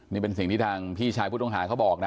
นี่เป็นสิ่งที่ทางพี่ชายผู้ต้องหาเขาบอกนะ